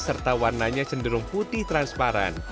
serta warnanya cenderung putih transparan